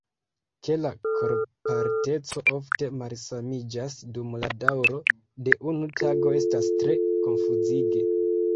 Ke la korpalteco ofte malsamiĝas dum la daŭro de unu tago estas tre konfuzige.